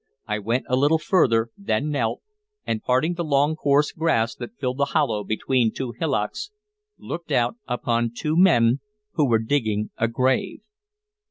I went a little further, then knelt, and, parting the long coarse grass that filled the hollow between two hillocks, looked out upon two men who were digging a grave.